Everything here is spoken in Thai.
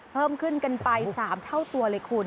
เพิ่มขึ้นกันไป๓เท่าตัวเลยคุณ